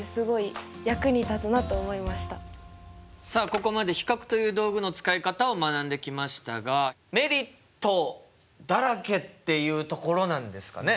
ここまで比較という道具の使い方を学んできましたがメリットだらけっていうところなんですかね？